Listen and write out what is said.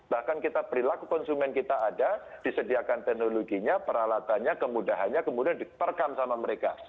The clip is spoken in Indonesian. bahkan kita perilaku konsumen kita ada disediakan teknologinya peralatannya kemudahannya kemudian diterkam sama mereka